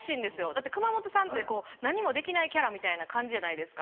だって熊元さんってこう何もできないキャラみたいな感じじゃないですか。